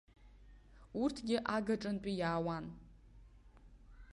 Урҭгьы агаҿантәи иаауан.